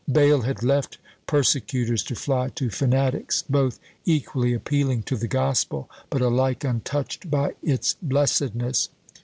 Bayle had left persecutors to fly to fanatics, both equally appealing to the Gospel, but alike untouched by its blessedness!